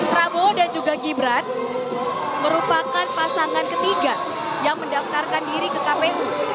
prabowo dan juga gibran merupakan pasangan ketiga yang mendaftarkan diri ke kpu